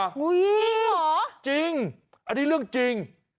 เหรอจริงอันนี้เรื่องจริง